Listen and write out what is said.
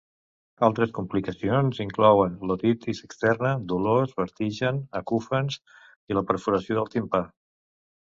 Altres complicacions inclouen l'otitis externa, dolors, vertigen, acúfens i la perforació del timpà.